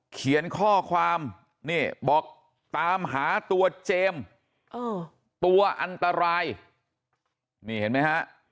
เขียนข้อความนี่บอกตามหาตัวเจมส์ตัวอันตรายนี่เห็นไหมฮะ